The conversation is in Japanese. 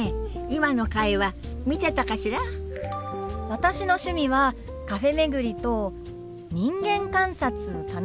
私の趣味はカフェ巡りと人間観察かな。